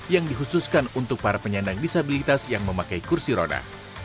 yang dikhususkan untuk para penyandang disabilitas yang memakai kursi roda